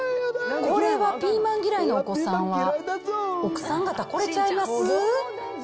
これはピーマン嫌いのお子さんは、奥さん方、これちゃいます？